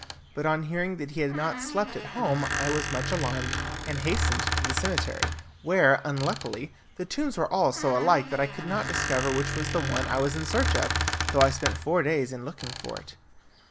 But on hearing that he had not slept at home I was much alarmed, and hastened to the cemetery, where, unluckily, the tombs were all so alike that I could not discover which was the one I was in search of, though I spent four days in looking for it.